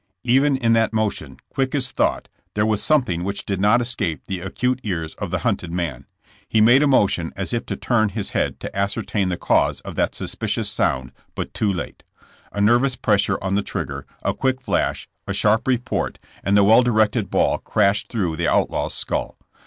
Even in that motion, quick as thought, there was something which did not escape the acute ears of the hunted man. He made a motion as if to turn his head to ascertain the cause of that suspicious sound, but too late. A nervous pressure on the trigger, a quick flash, a sharp report and the well directed ball crashed through the outlaw's skull.